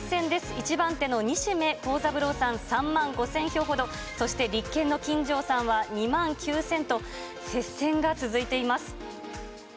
１番手の西銘恒三郎さん、３万５０００票ほど、そして、立憲の金城さんは２万９０００と、接戦が続いています。